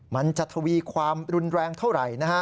มันจะทวีความรุนแรงเท่าไหร่นะฮะ